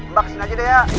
mbak kesini aja deh ya